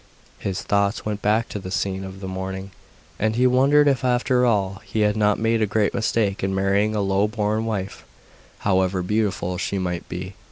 His thoughts went back to the scene of the morning, and he wondered if, after all, he had not made a great mistake in marrying a low born wife, however beautiful she might be.